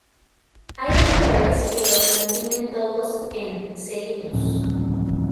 Hay autores que los mantienen todos en "Serinus".